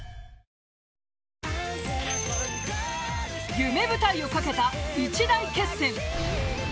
夢舞台を懸けた一大決戦。